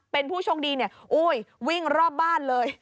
เป็นผู้ชมดีวิ่งรอบบ้านเลย